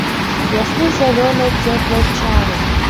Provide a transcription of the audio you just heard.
Вясны зялёнай цёплай чары!